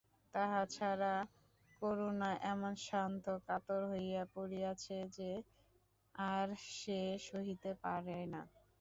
তাহা ছাড়া করুণা এমন শ্রান্ত কাতর হইয়া পড়িয়াছে যে আর সে সহিতে পারে না।